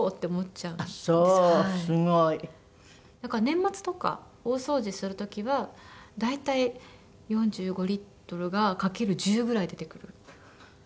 年末とか大掃除する時は大体４５リットルが掛ける１０ぐらい出てくるんですよ